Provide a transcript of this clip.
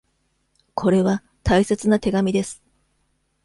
これは大切な手紙です。